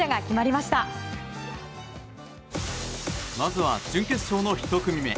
まずは準決勝の１組目。